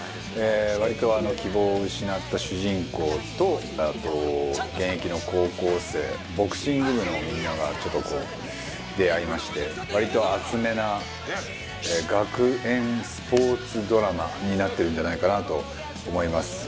割と希望を失った主人公とあと現役の高校生ボクシング部のみんながちょっとこう出会いまして割と熱めな学園スポーツドラマになってるんじゃないかなと思います。